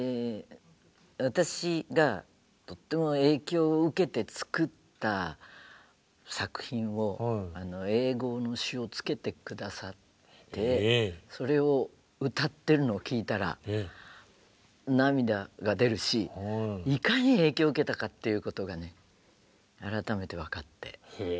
私がとっても影響を受けて作った作品を英語の詞をつけて下さってそれを歌ってるのを聴いたら涙が出るしいかに影響を受けたかっていうことがね改めて分かって。